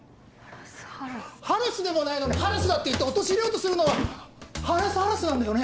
ハラスでもないのにハラスだって言って陥れようとするのはハラスハラスなんだよね？